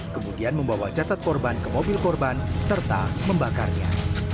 kemudian membawa jasad korban ke mobil korban serta membakarnya